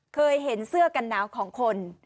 เคยเห็นเสื้อกันหนาวของคน